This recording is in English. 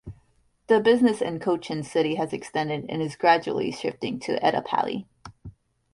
The business in Cochin City has extended and is gradually shifting to Edapally.